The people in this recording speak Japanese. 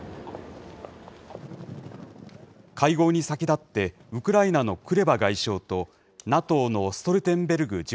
会合に先立って、ウクライナのクレバ外相と、ＮＡＴＯのストルテンベルグ